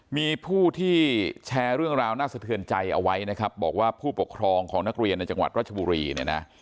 มีผู้ที่แชร์เรื่องราวน่าสะเทือนใจเอาไว้นะครับบอกว่าผู้ปกครองของนักเรียนในจังหวัดรัชบุรีเนี่ยนะ